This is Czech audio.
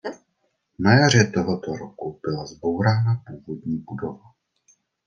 Na jaře tohoto roku byla zbourána původní budova.